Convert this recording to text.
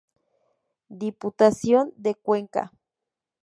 Diputación de Cuenca.